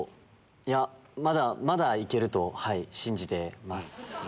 いやまだ行けると信じてます。